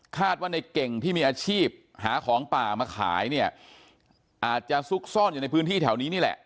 ว่าในเก่งที่มีอาชีพหาของป่ามาขายเนี่ยอาจจะซุกซ่อนอยู่ในพื้นที่แถวนี้นี่แหละ